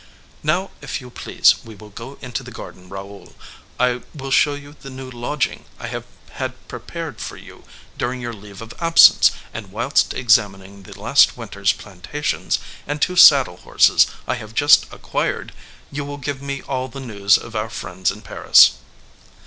"Now, if you please, we will go into the garden, Raoul. I will show you the new lodging I have had prepared for you during your leave of absence; and whilst examining the last winter's plantations, and two saddle horses I have just acquired, you will give me all the news of our friends in Paris."